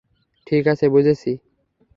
ঠিক আছে, বুঝেছি।